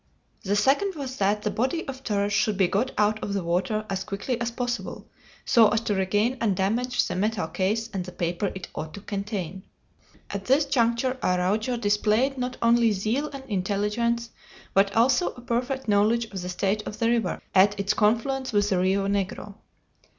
The second was that the body of Torres should be got out of the water as quickly as possible so as to regain undamaged the metal case and the paper it ought to contain. At this juncture Araujo displayed not only zeal and intelligence, but also a perfect knowledge of the state of the river at its confluence with the Rio Negro.